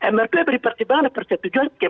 mrp beri pertimbangan dan persetujuan